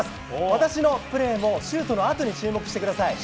私のプレーもシュートのあとに注目してください。